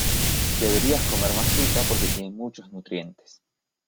Deberías comer más fruta porque tienen muchos nutrientes.